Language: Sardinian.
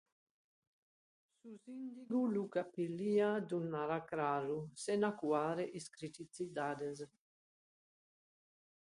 Su sìndigu Luca Pilia ddu narat craru, sena cuare is crititzidades.